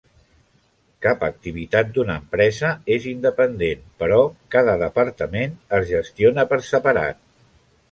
Cap activitat d'una empresa és independent, però cada departament es gestiona per separat.